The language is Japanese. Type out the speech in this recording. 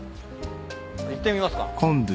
行ってみますか。